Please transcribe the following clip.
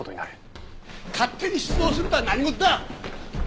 勝手に出動するとは何事だ！